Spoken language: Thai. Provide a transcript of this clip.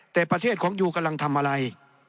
แต่ประเทศของยูกำลังทำอะไร